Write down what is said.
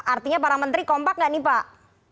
artinya para menteri kompak nggak nih pak